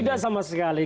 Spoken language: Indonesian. tidak sama sekali